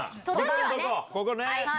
ここね！